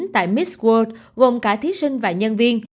tại miss world gồm cả thí sinh và nhân viên